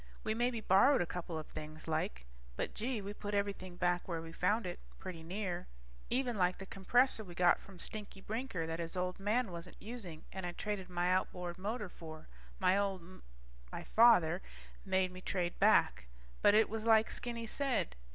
We maybe borrowed a couple of things, like. But, gee, we put everything back like we found it, pretty near. Even like the compressor we got from Stinky Brinker that his old man wasn't using and I traded my outboard motor for, my old m ... my father made me trade back. But it was like Skinny said